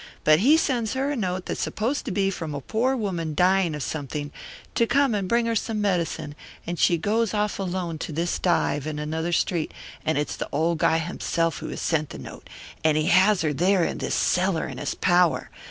But he sends her a note that's supposed to be from a poor woman dying of something, to come and bring her some medicine, and she goes off alone to this dive in another street, and it's the old guy himself who has sent the note, and he has her there in this cellar in his power.